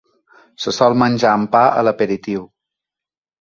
Se sol menjar amb pa a l'aperitiu.